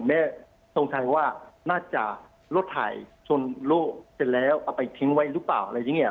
แม่สงสัยว่าน่าจะรถถ่ายชนลูกเสร็จแล้วเอาไปทิ้งไว้หรือเปล่าอะไรอย่างนี้